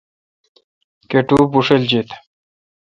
کاٹو بوݭلجیت۔